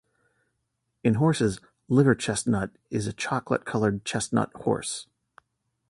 In horses, liver chestnut is a chocolate-colored chestnut horse.